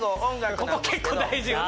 ここ結構大事よね